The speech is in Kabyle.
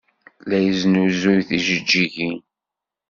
La yesnuzuy tijeǧǧigin.